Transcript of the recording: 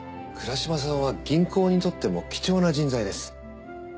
倉嶋さんは銀行にとっても貴重な人材です。